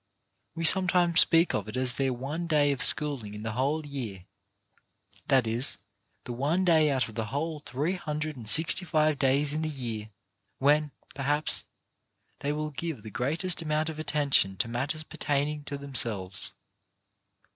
We sometimes speak of it as their one day of schooling in the whole year, — that is, the one day out of the whole three hundred and sixty five days in the year when, perhaps, they will give the greatest amount of attention to matters pertain ing to themselves.